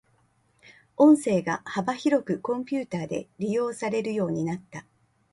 音声が幅広くコンピュータで利用されるようになった。